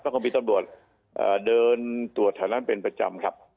ก็มีตำรวจเดินตรวจแถวนั้นเป็นประจำครับ